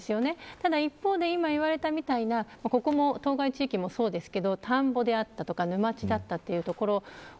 ただ一方で今言われたみたいな当該地域もそうですけど田んぼであったという所だったというところ。